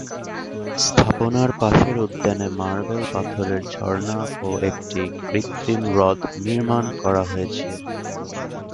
স্থাপনার পাশের উদ্যানে মার্বেল পাথরের ঝরনা ও একটি কৃত্রিম হ্রদ নির্মাণ করা হয়েছে।